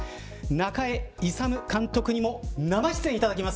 中江功監督にも生出演いただきます。